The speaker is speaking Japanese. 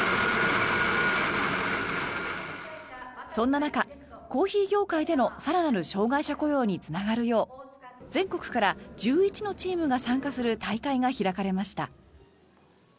そんな中、コーヒー業界での更なる障害者雇用につながるよう全国から１１のチームが参加する大会が開かれました。